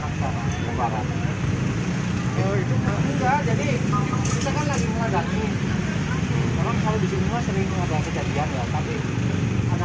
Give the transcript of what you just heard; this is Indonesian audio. orang selalu disini sering mengadakan kejadian ya tapi ada mobil